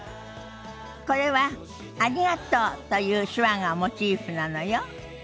これは「ありがとう」という手話がモチーフなのよ。